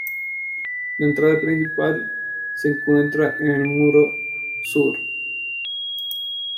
La entrada principal se encuentra en el muro sur.